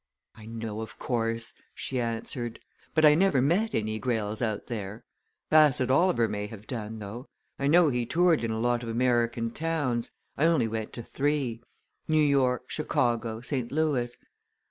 "I know, of course," she answered. "But I never met any Greyles out there. Bassett Oliver may have done, though. I know he toured in a lot of American towns I only went to three New York, Chicago, St. Louis.